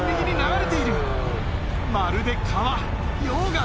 まるで川！